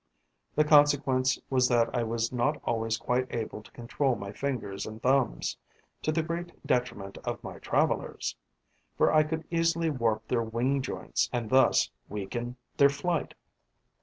The consequence was that I was not always quite able to control my fingers and thumbs, to the great detriment of my travellers; for I could easily warp their wing joints and thus weaken their flight.